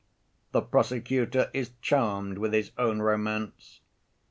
The prosecutor is charmed with his own romance.